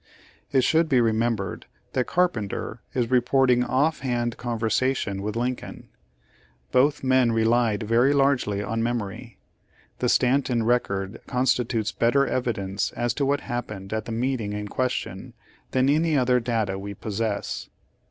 It should be remembered that Carpenter is reporting off hand conversation with Lincoln. Both men relied very largely on memory. The Stanton rec ord constitutes better evidence as to what hap pened at the meeting in question, than any other data we possess.